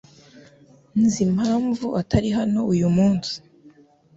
Nzi impamvu atari hano uyu munsi.